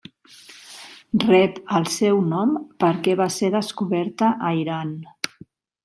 Rep el seu nom perquè va ser descoberta a Iran.